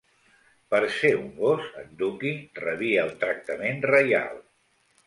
Per ser un gos, en Dookie rebia un tractament reial.